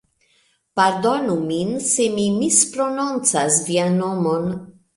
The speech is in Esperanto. Pardonu min se mi misprononcas vian nomon.